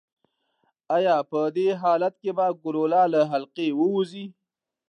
ایا په دې حالت کې به ګلوله له حلقې ووځي؟